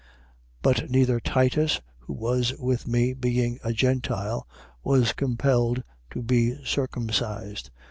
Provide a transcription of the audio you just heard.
2:3. But neither Titus, who was with me, being a Gentile, was compelled to be circumcised.